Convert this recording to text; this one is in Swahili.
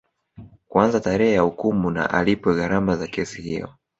Kuanzia tarehe ya hukumu na alipwe gharama za kesi hiyo